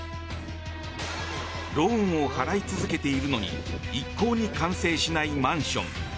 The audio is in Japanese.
ローンを払い続けているのに一向に完成しないマンション。